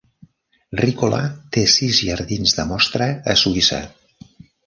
Ricola té sis jardins de mostra a Suïssa.